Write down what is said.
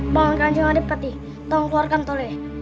bang angka angka depati tolong keluarkan toli